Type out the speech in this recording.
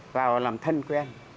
vào làm thân quen